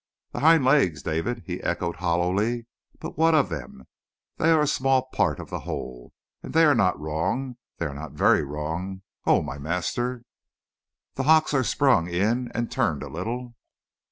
"The hind legs, David," he echoed hollowly. "But what of them? They are a small part of the whole! And they are not wrong. They are not very wrong, oh my master!" "The hocks are sprung in and turned a little."